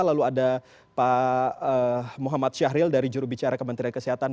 lalu ada pak muhammad syahril dari jurubicara kementerian kesehatan